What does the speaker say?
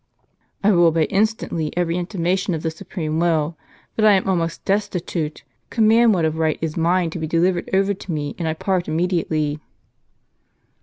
" I will obey instantly everj^ intimation of the supreme will. But I am almost destitute. Command what of right is mine to be delivered over to me, and I part imme diately."